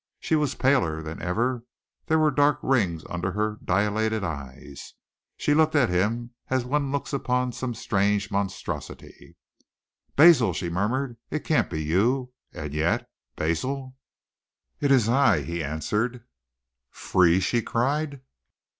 She was paler than ever, there were dark rings under her dilated eyes. She looked at him as one looks upon some strange monstrosity. "Basil!" she murmured. "It can't be you! And yet Basil!" "It is I," he answered. "Free?" she cried.